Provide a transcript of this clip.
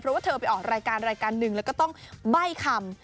เพราะว่าเธอไปออกรายการรายการหนึ่งแล้วก็ต้องใบ้คำ